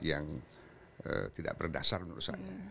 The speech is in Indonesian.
yang tidak berdasar menurut saya